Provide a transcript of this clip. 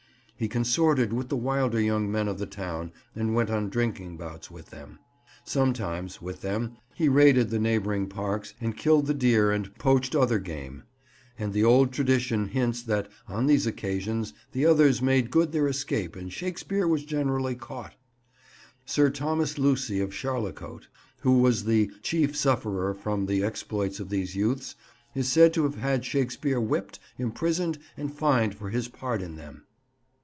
He consorted with the wilder young men of the town and went on drinking bouts with them. Sometimes, with them, he raided the neighbouring parks and killed the deer and poached other game; and the old tradition hints that on these occasions the others made good their escape and Shakespeare was generally caught. Sir Thomas Lucy of Charlecote, who was the chief sufferer from the exploits of these youths, is said to have had Shakespeare whipped, imprisoned and fined for his part in them.